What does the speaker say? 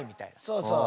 そうそう。